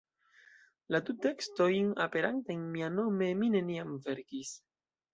La du tekstojn aperantajn mianome mi neniam verkis!